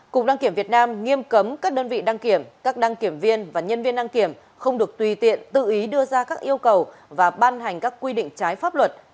cục đăng kiểm việt nam nghiêm cấm các đơn vị đăng kiểm các đăng kiểm viên và nhân viên đăng kiểm không được tùy tiện tự ý đưa ra các yêu cầu và ban hành các quy định trái pháp luật